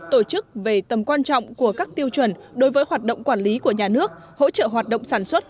tổ chức về tầm quan trọng của các tiêu chuẩn đối với hoạt động quản lý của nhà nước hỗ trợ hoạt động sản xuất